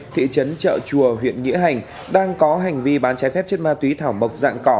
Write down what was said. thị trấn trợ chùa huyện nghĩa hành đang có hành vi bán trái phép chất ma túy thảo mộc dạng cò